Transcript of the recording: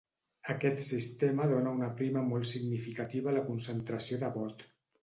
Aquest sistema dóna una prima molt significativa a la concentració de vot.